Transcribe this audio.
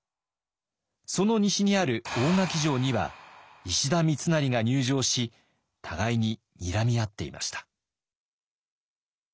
その西にある大垣城には石田三成が入城し互いににらみ合っていました。